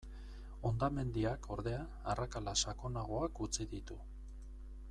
Hondamendiak, ordea, arrakala sakonagoak utzi ditu.